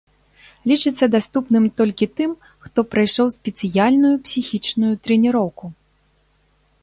Лічыцца даступным толькі тым, хто прайшоў спецыяльную псіхічную трэніроўку.